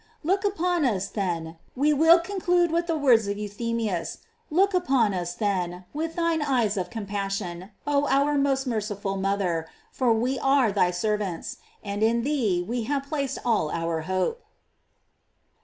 f Look upon us, then, we will conclude with the words of Euthymius, look upon us, then, with thine eyes of compassion, oh our most mer ciful mother, for we are thy servants, and in thee we have placed all our hope.